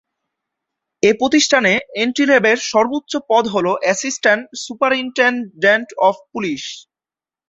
এ প্রতিষ্ঠানে এন্ট্রি লেভেলের সর্বোচ্চ পদ হলো অ্যাসিস্ট্যান্ট সুপারিনটেনডেন্ট অফ পুলিশ।